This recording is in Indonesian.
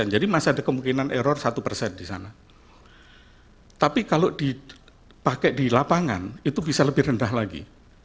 jadi masih ada kemungkinan error satu di sana tapi kalau dipakai di lapangan itu bisa lebih rendah lagi